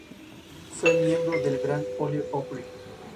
Fue miembro del Grand Ole Opry.